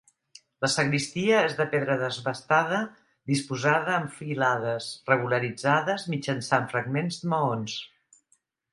La sagristia és de pedra desbastada disposada en filades, regularitzades mitjançant fragments de maons.